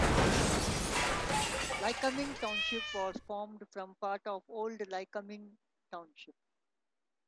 Lycoming Township was formed from part of Old Lycoming Township.